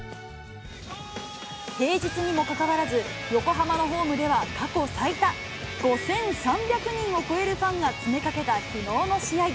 平日にもかかわらず、横浜のホームでは、過去最多５３００人を超えるファンが詰めかけたきのうの試合。